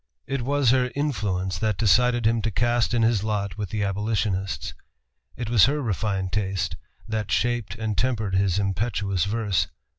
It was her influence that decided him to cast in his lot with the abolitionists. It was her refined taste that shaped and tempered his impetuous verse.